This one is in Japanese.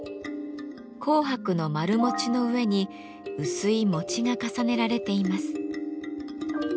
紅白の丸餅の上に薄い餅が重ねられています。